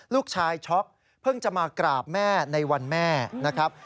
ช็อกเพิ่งจะมากราบแม่ในวันแม่นะครับ